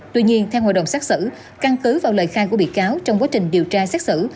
tuy nhiên theo hội đồng xác xử căn cứ vào lời khai của bị cáo trong quá trình điều tra xét xử